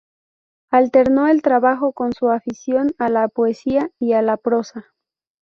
Alternó el trabajo con su afición a la poesía y la prosa.